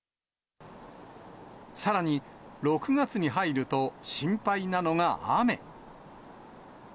さらに、６月に入ると、心配なのが雨。